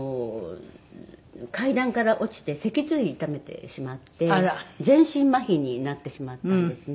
階段から落ちて脊髄痛めてしまって全身まひになってしまったんですね。